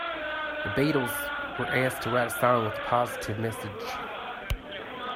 The Beatles were asked to write a song with a positive message.